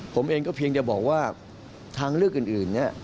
ผมเองก็เพียงจะบอกว่าทางเลือกอื่นเนี่ย